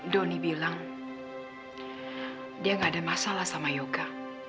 doni bilang dia gak ada masalah sama yoga